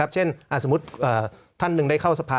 เช่นสมมุติท่านหนึ่งได้เข้าสภา